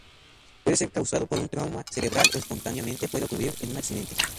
Puede ser causado por un trauma cerebral o espontáneamente puede ocurrir en un accidente.